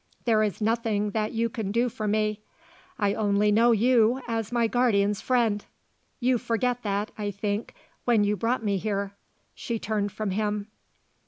"There is nothing that you can do for me. I only know you as my guardian's friend; you forgot that, I think, when you brought me here." She turned from him.